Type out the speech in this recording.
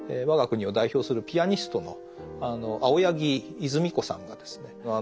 我が国を代表するピアニストの青柳いづみこさんがですね